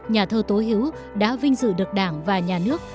nhà thơ tố hữu đã vinh dự được đảng và nhà nước